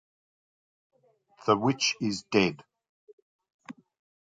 The Witch Is Dead.